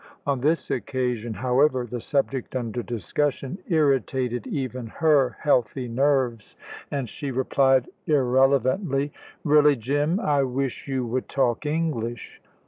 On this occasion, however, the subject under discussion irritated even her healthy nerves, and she replied irrelevantly. "Really, Jim, I wish you would talk English."